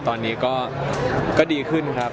ตอนนี้ก็ดีขึ้นครับ